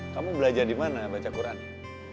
kamu belajar di mana baca qurannya